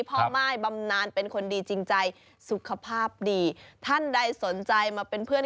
ม่ายบำนานเป็นคนดีจริงใจสุขภาพดีท่านใดสนใจมาเป็นเพื่อน